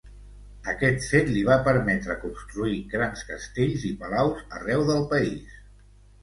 Aquest fet li va permetre construir grans castells i palaus arreu del país.